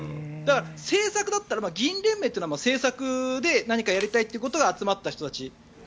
政策だったら、議員連盟は政策で何かやりたいという人が集まった人たち。